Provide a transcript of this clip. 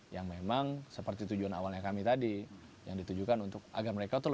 yang memang seperti tujuan awalnya kami tadi yang ditujukan agar mereka lebih cintai